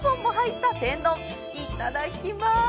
いただきます。